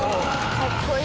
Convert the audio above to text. かっこいいね！